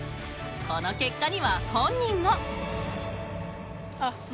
この結果には本人も。